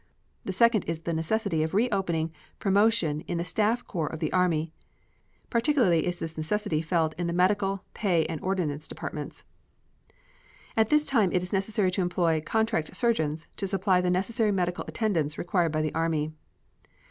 The second is the necessity of reopening promotion in the staff corps of the Army. Particularly is this necessity felt in the Medical, Pay, and Ordnance departments. At this time it is necessary to employ "contract surgeons" to supply the necessary medical attendance required by the Army.